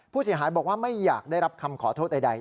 ผู้เสียหายบอกว่าไม่อยากได้รับคำขอโทษใด